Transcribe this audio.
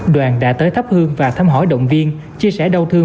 đoàn đã tới thắp hương và thăm hỏi động viên chia sẻ đau thương